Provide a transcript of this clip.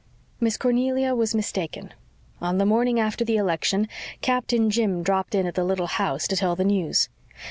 Miss Cornelia was mistaken. On the morning after the election Captain Jim dropped in at the little house to tell the news.